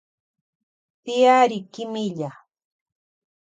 Tiyari kimilla.